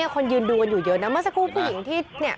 คนยืนดูกันอยู่เยอะแล้วเมื่อสักครู่ผู้หญิงที่